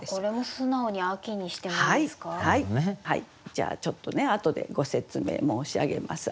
じゃあちょっとねあとでご説明申し上げます。